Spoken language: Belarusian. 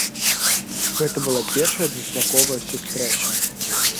Гэта была першая двухбаковая сустрэча.